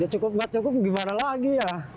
ya cukup nggak cukup gimana lagi ya